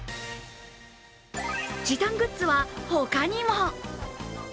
時短グッズは他にも。